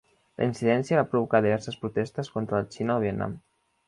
La incidència va provocar diverses protestes contra la Xina al Vietnam.